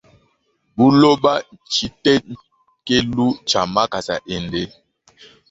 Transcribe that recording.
Buloba ntshitekelu tshia makasa ende.